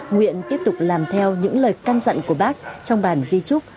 nguyện tiếp tục làm theo những lời căn dặn của bác trong bản di trúc